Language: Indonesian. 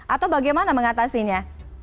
atau bagaimana mengatasinya